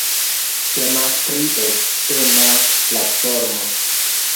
Temas pri ebena platformo.